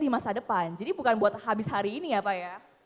di masa depan jadi bukan buat habis hari ini ya pak ya